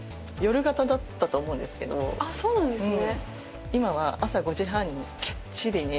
そうなんですね。